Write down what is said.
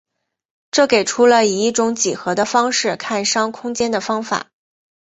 这给出了以一种几何的方式看商空间的方法。